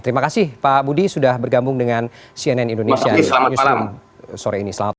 terima kasih pak budi sudah bergabung dengan cnn indonesia newsroom sore ini